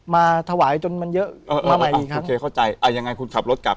มาถวายจนมันเยอะเออเออมาใหม่อีกครั้งโอเคเข้าใจอ่ะยังไงคุณขับรถกลับ